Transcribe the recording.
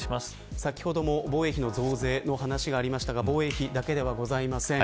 先ほども、防衛費の増税の話がありましたが防衛費だけではありません。